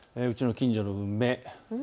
うちの近所の梅。